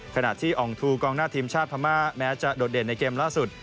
ขณะที่อองทูกองหน้าทีมชาติพม่าแม้จะโดดเด่นในเกมล่าสุด